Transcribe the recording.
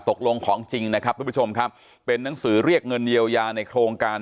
ตกลงของจริงนะครับทุกผู้ชมครับเป็นนังสือเรียกเงินเยียวยาในโครงการ